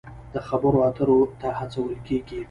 د خبرو اترو ته هڅول کیږي.